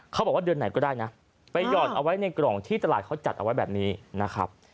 เขาบอกว่าเดือนไหนก็ได้นะไปหยอดเอาไว้ในกล่องที่ตลาดเขาจัดเอาไว้แบบนี้นะครับ